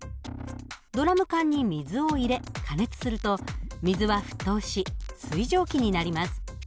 ドラム缶に水を入れ加熱すると水は沸騰し水蒸気になります。